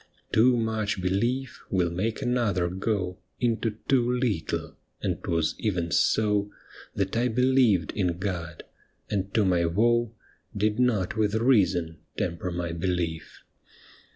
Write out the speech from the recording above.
Too much belief will make another go Into too little, and 'twas even so That I believed in God, and to my woe Did not with reason temper my belief.